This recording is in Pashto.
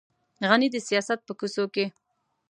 غني د سیاست په کوڅو کې.